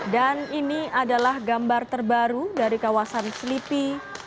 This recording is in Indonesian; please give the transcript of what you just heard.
dan ini adalah gambar terbaru dari kawasan selipi